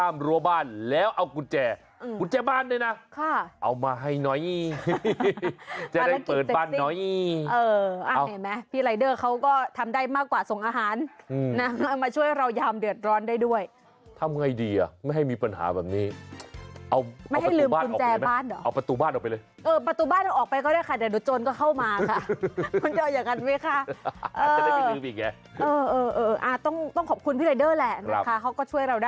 มันเป็นอะไรที่ดงดังในโซเชียลกันมาก